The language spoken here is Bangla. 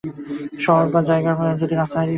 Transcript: শহর বাজার জায়গা, যদি রাস্তা হারিয়ে ফেলিস?